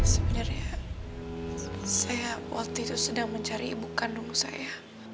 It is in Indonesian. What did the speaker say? sebenarnya saya waktu itu sedang mencari ibu kandung saya